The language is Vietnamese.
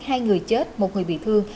hai người chết một người bị thương